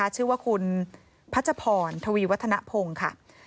ชื่อว่าคุณพัชพรทวีวัฒนภงค่ะ